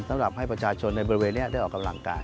สำหรับให้ประชาชนในบริเวณนี้ได้ออกกำลังกาย